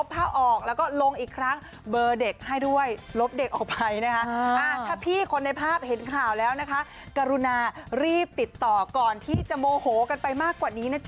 แต่หลังจากนั้นเธอก็ลบภาพออก